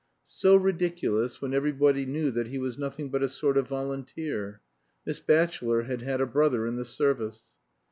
So ridiculous, when everybody knew that he was nothing but a sort of volunteer (Miss Batchelor had had a brother in "the Service").